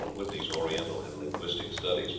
(Whitney's "Oriental and Linguistic Studies," p.